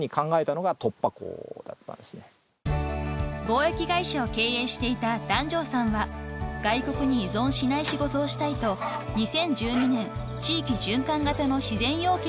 ［貿易会社を経営していた檀上さんは外国に依存しない仕事をしたいと２０１２年地域循環型の自然養鶏を始めました］